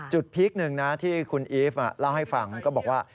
พีคหนึ่งนะที่คุณอีฟเล่าให้ฟังก็บอกว่า